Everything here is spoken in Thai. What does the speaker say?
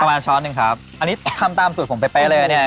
ประมาณช้อนหนึ่งครับอันนี้ตามตามสูตรของเปเปเลยเนี่ย